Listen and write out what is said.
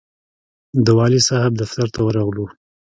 د والي صاحب دفتر ته ورغلو.